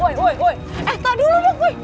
eh tak dulu